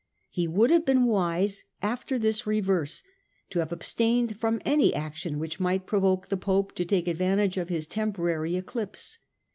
He would have been wise, after this reverse, to have abstained from any action which might provoke the Pope to take advantage of his temporary eclipse.